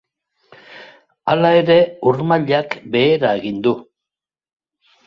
Hala ere, ur mailak behera egin du.